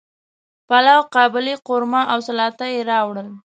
پلاو، قابلی، قورمه او سلاطه یی راوړل